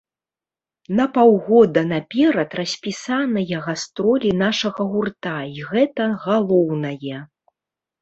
На паўгода наперад распісаныя гастролі нашага гурта і гэта галоўнае.